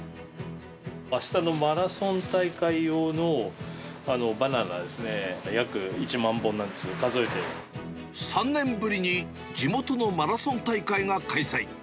あしたのマラソン大会用のバナナですね、３年ぶりに地元のマラソン大会が開催。